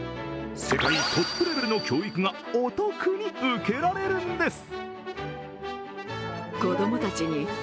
世界トップレベルの教育がお得に受けられるんです。